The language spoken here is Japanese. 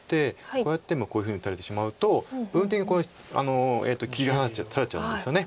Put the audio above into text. こうやってもこういうふうに打たれてしまうと部分的に切り離されちゃうんですよね。